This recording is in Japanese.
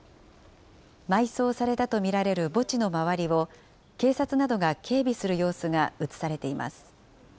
埋葬されたと見られる墓地の周りを警察などが警備する様子が映されています。